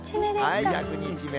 はい、１００日目。